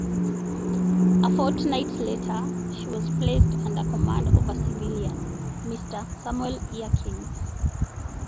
A fortnight later, she was placed under command of a civilian, Mr. Samuel Eakins.